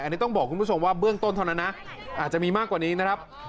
อันนี้ต้องบอกคุณผู้ชมว่าเบื้องต้นเท่านั้นนะอาจจะมีมากกว่านี้นะครับ